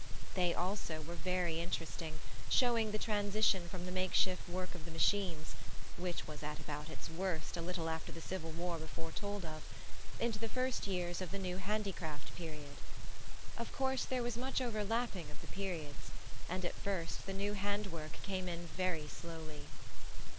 They also were very interesting, showing the transition from the makeshift work of the machines (which was at about its worst a little after the Civil War before told of) into the first years of the new handicraft period. Of course, there was much overlapping of the periods: and at first the new handwork came in very slowly.